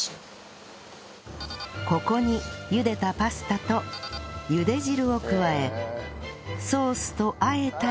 ここに茹でたパスタと茹で汁を加えソースとあえたら